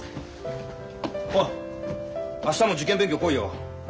おう明日も受験勉強来いよ。